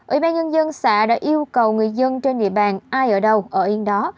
ủy ban nhân dân xã đã yêu cầu người dân trên địa bàn ai ở đâu ở yên đó